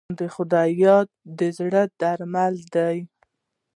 د خدای یاد د زړه درمل دی.